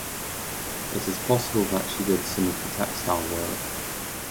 It is possible that she did some of the textile work.